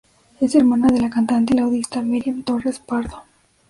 Es hermana de la cantante y laudista Miriam Torres-Pardo.